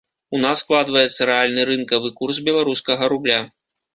У нас складваецца рэальны рынкавы курс беларускага рубля.